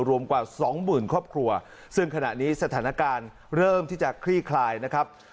รวมกว่าสองหมื่นครอบครัวซึ่งขณะนี้สถานการณ์เริ่มที่จะคลี่คลายนะครับ